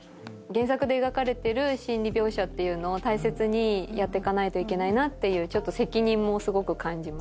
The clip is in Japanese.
原作で描かれてる心理描写っていうのを大切にやってかないといけないなっていうちょっと責任もすごく感じます。